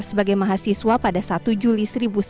sebagai mahasiswa pada satu juli seribu sembilan ratus empat puluh